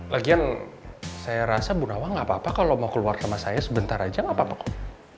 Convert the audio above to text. lagian saya rasa bu nawa gak apa apa kalau mau keluar sama saya sebentar aja gak apa apa kok